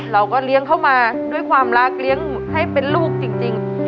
เราก็เลี้ยงเข้ามาด้วยความรักเลี้ยงให้เป็นลูกจริง